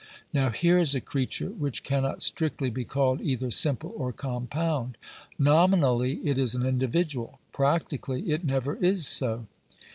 • Now here is a creature which cannot strictly be called either simple or compound. Nominally, it is an individual ; practically, it never is so.